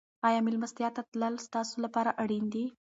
آیا مېلمستیا ته تلل ستاسو لپاره اړین دي؟